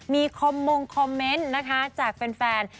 มีคอมมงคอมเมนต์นะคะจากแฟน